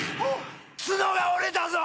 角が折れたぞ！